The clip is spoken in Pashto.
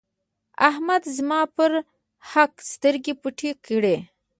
احمد زما پر حق سترګې پټې کړې.